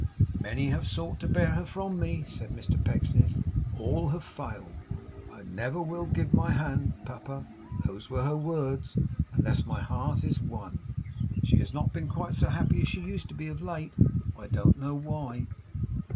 'Many have sought to bear her from me,' said Mr Pecksniff. 'All have failed. "I never will give my hand, papa" those were her words "unless my heart is won." She has not been quite so happy as she used to be, of late. I don't know why.